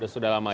sudah lama ya